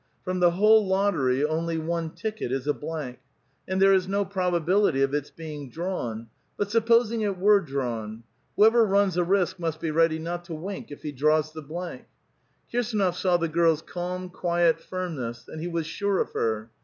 From the whole lottery only one ticket is a l)lankf And there is no probability of its being drawn — but supposing it were drawn? Whoever runs a risk must be ready not to wink if he draws the blank. Kirsdnof saw the girl's calm, quiet firmness, and he was sure of her.